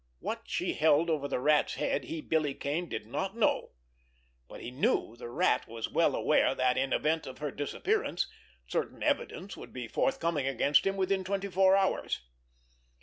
What she held over the Rat's head, he, Billy Kane, did not know; but he knew the Rat was well aware that, in event of her disappearance, certain evidence would be forthcoming against him within twenty four hours.